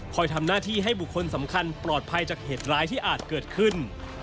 ทำหน้าที่ให้บุคคลสำคัญปลอดภัยจากเหตุร้ายที่อาจเกิดขึ้น